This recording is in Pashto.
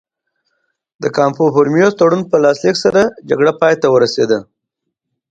د کامپو فورمیو تړون په لاسلیک سره جګړه پای ته ورسېده.